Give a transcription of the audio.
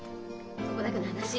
ここだけの話。